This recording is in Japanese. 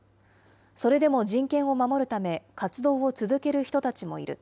それでも人権を守るため、活動を続ける人たちもいる。